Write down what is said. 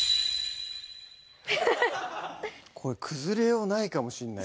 これ崩れようないかもしんない